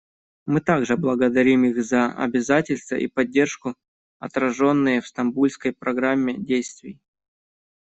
Мы также благодарим их за обязательства и поддержку, отраженные в Стамбульской программе действий.